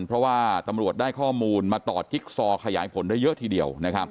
เพราะว่าตำรวจได้ข้อมูลมาต่อจิ๊กซอขยายผลได้เยอะทีเดียว